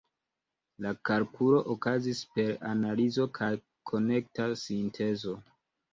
La kalkulo okazis per analizo kaj konekta sintezo.